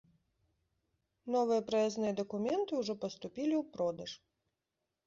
Новыя праязныя дакументы ўжо паступілі ў продаж.